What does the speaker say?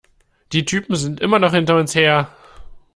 Die Typen sind immer noch hinter uns her!